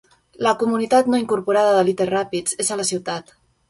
La comunitat no incorporada de Little Rapids és a la ciutat.